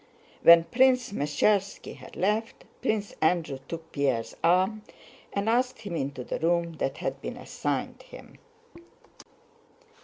When Prince Meshchérski had left, Prince Andrew took Pierre's arm and asked him into the room that had been assigned him.